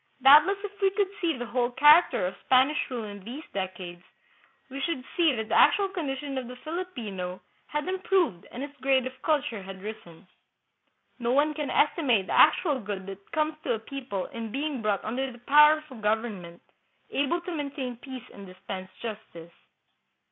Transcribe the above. Doubt less if we could see the whole character of Spanish rule in these decades, we should see that the actual condition of the Filipino had improved and his grade of culture had risen. No one can estimate the actual good that comes to a people in being brought under the power of a government able to maintain peace and dispense justice.